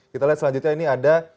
kita lihat selanjutnya ini ada